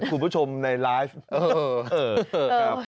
คุณผู้ชมในไลฟ์เออเออครับ